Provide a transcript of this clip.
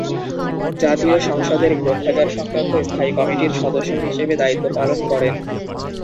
জাতীয় সংসদের গ্রন্থাগার সংক্রান্ত স্থায়ী কমিটির সদস্য হিসেবে দায়িত্ব পালন করেন।